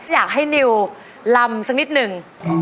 อยากให้นิวลำสักนิดนึง